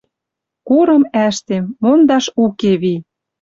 Курым ӓштем, мондаш уке ви.